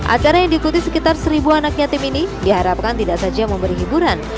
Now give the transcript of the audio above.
acara yang diikuti sekitar seribu anak yatim ini diharapkan tidak saja memberi hiburan